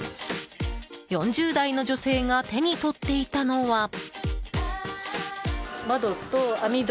４０代の女性が手に取っていたのは。